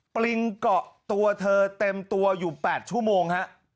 ปริงเกาะตัวเธอเต็มตัวอยู่๘ชั่วโมงฮะ